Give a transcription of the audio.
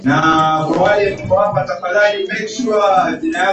ndio walikuwa wamezoa ushindi lakini mugabe akawa